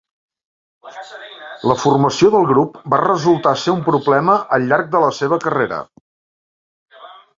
La formació del grup va resultar ser un problema al llarg de la seva carrera.